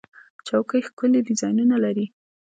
چوکۍ ښکلي ډیزاینونه لري.